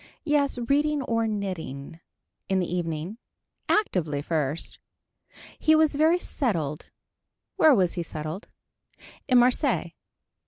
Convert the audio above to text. Yes reading or knitting. In the evening. Actively first. He was very settled. Where was he settled. In Marseilles.